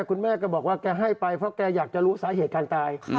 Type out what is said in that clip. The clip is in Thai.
คุณแม่ก็บอกว่าแกให้ไปเพราะแกอยากจะรู้สาเหตุการตาย